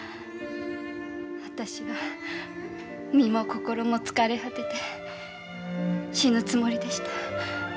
私は身も心も疲れ果てて死ぬつもりでした。